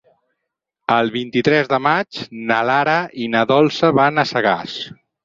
El vint-i-tres de maig na Lara i na Dolça van a Sagàs.